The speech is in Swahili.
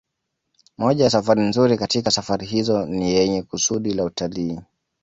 Moja ya safari nzuri katika safari hizo ni yenye kusudi la utalii